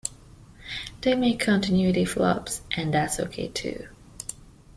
They make continuity flubs, and that's ok too.